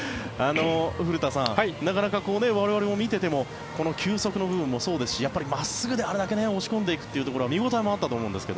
古田さん、なかなか我々も見ていてもこの球速の部分もそうですし真っすぐであれだけ押し込んでいくというのは見応えもあったと思うんですが。